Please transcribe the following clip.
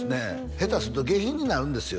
下手すると下品になるんですよ